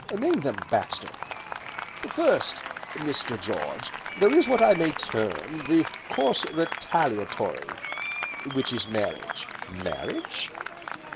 "Name them, Baxter." "First, Mr. George, there is what I may term, the Course Retaliatory, which is Marriage " "Marriage?"